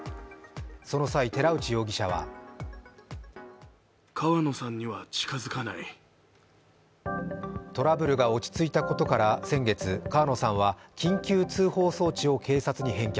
その際、寺内容疑者はトラブルが落ち着いたことから先月、川野さんは緊急通報装置を警察に返却。